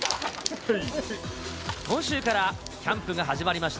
今週からキャンプが始まりました